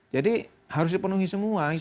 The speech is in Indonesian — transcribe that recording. jadi harus dipenuhi semua itu